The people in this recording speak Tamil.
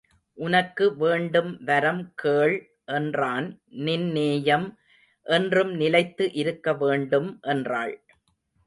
உனக்கு வேண்டும் வரம் கேள் என்றான் நின் நேயம் என்றும் நிலைத்து இருக்க வேண்டும் என்றாள்.